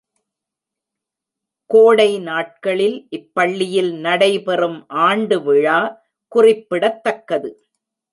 கோடை நாட்களில் இப்பள்ளியில் நடைபெறும் ஆண்டு விழா குறிப்பிடத்தக்கது.